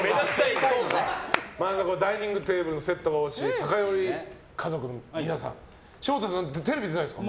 ダイニングテーブルのセットが欲しい、酒寄家族の皆さん翔太さん、テレビ出たいですか？